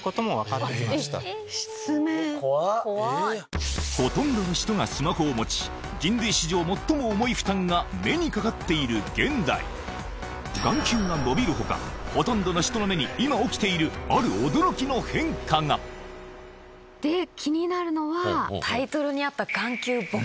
失明⁉ほとんどの人がスマホを持ち人類史上最も重い負担が目にかかっている現代眼球が伸びる他ほとんどの人の目に今起きているある驚きの変化が気になるのはタイトルにあった。